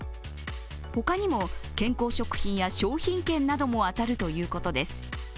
ほかにも健康食品や商品券なども当たるということです。